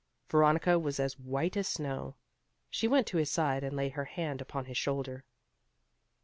Veronica was as white as snow. She went to his side, and laid her hand upon his shoulder.